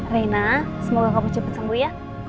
reina semoga kamu cepat sembuh ya